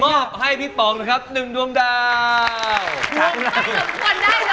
มอบให้ปอง๑ดวงดาว